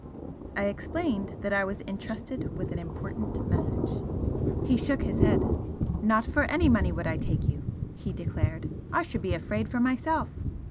I explained that I was entrusted with an important message. He shook his head. "Not for any money would I take you," he declared. "I should be afraid for myself."